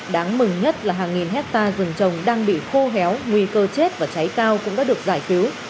đáng mừng nhất là hàng nghìn hectare rừng trồng đang bị khô héo nguy cơ chết và cháy cao cũng đã được giải cứu